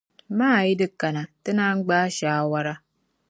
Ma ayi di kana, ti naa gbaai shaawara.